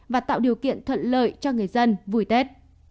và tạo điều kiện thuận lợi cho người dân vui tết